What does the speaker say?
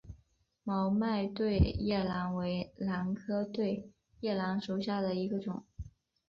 毛脉对叶兰为兰科对叶兰属下的一个种。